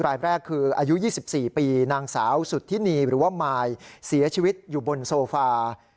รายแรกคืออายุ๒๔ปีนางสาวสุธินีหรือว่ามายเสียชีวิตอยู่บนโซฟา